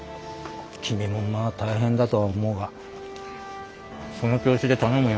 君もまあ大変だとは思うがその調子で頼むよ。